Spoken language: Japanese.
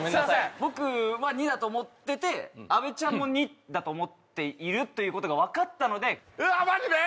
僕は２だと思ってて阿部ちゃんも２だと思っているということが分かったのでうわマジで！？